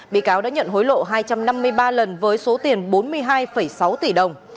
bị cáo đã nhận hối lộ hai trăm năm mươi ba lần với số tiền bốn mươi hai sáu tỷ đồng